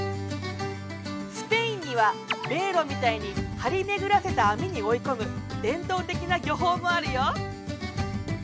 スペインには迷路みたいに張り巡らせた網に追い込む伝統的な漁法もあるよ。